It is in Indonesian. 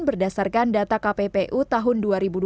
berdasarkan data kppu tahun dua ribu dua puluh